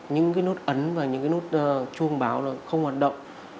những cái nút ấn và những cái nút chuông báo nó không hoạt động